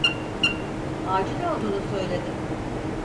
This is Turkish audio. Acil olduğunu söyledi.